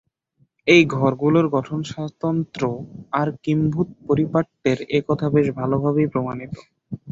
এই ঘরগুলোর গঠনস্বাতন্ত্র্য আর কিম্ভূত পারিপাট্যে এ কথা বেশ ভালোভাবেই প্রমাণিত।